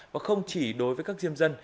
và không chỉ đối với các diêm dân